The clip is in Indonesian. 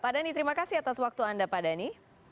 pak dhani terima kasih atas waktu anda pak dhani